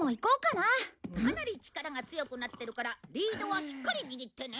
かなり力が強くなってるからリードはしっかり握ってね。